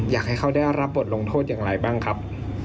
อยากให้เขาได้รับบทลงโทษอย่างไรบ้างครับ